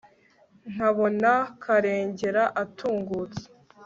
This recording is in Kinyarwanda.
ndabona karengera atungutse